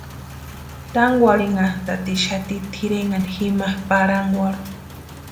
Tankwarinhantatixati tʼirenhani jima parhankwaru.